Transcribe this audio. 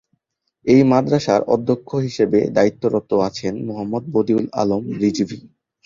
এই মাদ্রাসার অধ্যক্ষ হিসেবে দায়িত্বরত আছেন মুহাম্মদ বদিউল আলম রিজভী।